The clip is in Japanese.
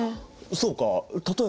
そうか例えば？